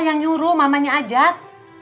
yang nyuruh mamanya ajak